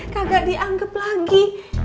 kagak dianggap lagi